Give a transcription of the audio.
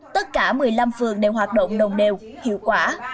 tất cả một mươi năm phường đều hoạt động đồng đều hiệu quả